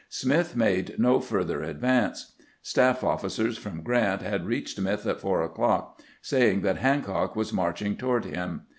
Smith made no further advance. Staff officers from Grant had reached Smith at four o'clock, saying that Hancock was march ing toward him.